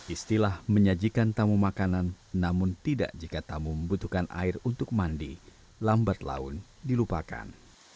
istilah menyajikan tamu makanan namun tidak jika tamu membutuhkan air untuk mandi lambat laun dilupakan